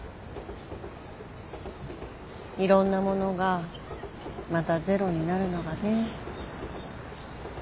いろんなものがまたゼロになるのがね。